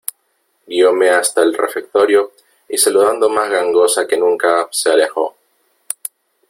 guióme hasta el refectorio , y saludando más gangosa que nunca , se alejó .